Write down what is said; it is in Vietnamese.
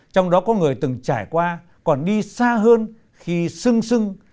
trong đó có người từng trải qua còn đi xa hơn khi xưng sưng